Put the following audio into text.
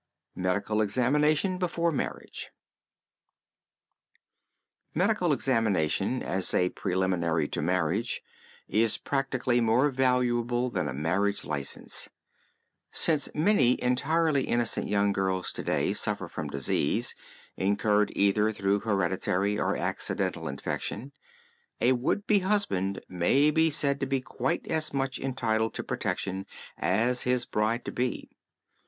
MEDICAL EXAMINATION BEFORE MARRIAGE Medical examination as a preliminary to marriage is practically more valuable than a marriage license. Since many entirely innocent young girls to day suffer from disease, incurred either through hereditary or accidental infection, a would be husband may be said to be quite as much entitled to protection as his bride to be.